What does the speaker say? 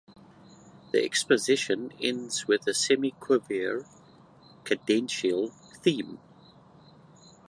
The exposition ends with a semiquaver cadential theme.